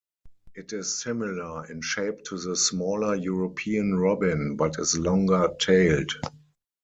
It is similar in shape to the smaller European robin, but is longer-tailed.